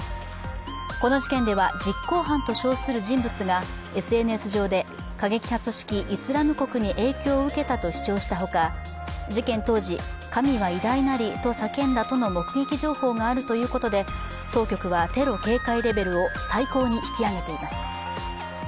この事件では実行犯と称する人物がＳＮＳ上で過激派組織イスラム国に影響を受けたと主張したほか、事件当時、神は偉大なりと叫んだとの目撃情報があるということで当局はテロ警戒レベルを最高に引き上げています。